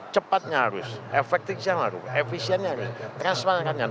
cepatnya harus efektifnya harus efisiennya harus transparannya harus